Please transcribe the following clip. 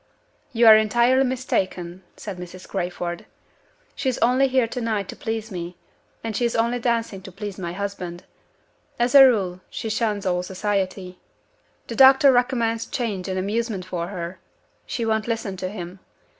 "You are entirely mistaken," said Mrs. Crayford. "She is only here to night to please me; and she is only dancing to please my husband. As a rule, she shuns all society. The doctor recommends change and amusement for her. She won't listen to him.